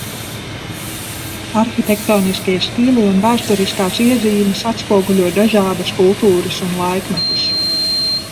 Arhitektoniskie stili un vēsturiskās iezīmes atspoguļo dažādas kultūras un laikmetus.